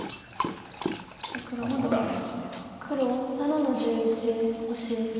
黒もどんどんオシてと。